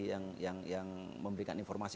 yang memberikan informasi